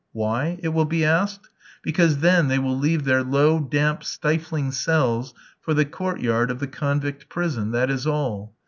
Why? it will be asked. Because then they will leave their low, damp, stifling cells for the court yard of the convict prison, that is all.